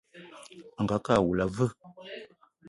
Angakë awula a veu?